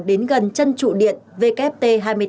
đến gần chân trụ điện wft